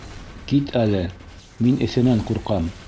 — Кит әле, мин эҫенән ҡурҡам.